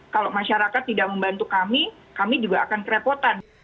kalau masyarakat tidak membantu kami kami juga akan kerepotan